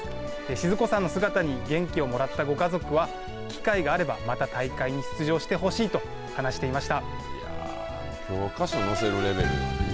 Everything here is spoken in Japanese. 静子さんの姿に元気をもらったご家族は機会があれば、また大会に出場してほしいと教科書載せれるレベル。